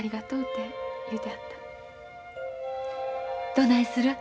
どないする？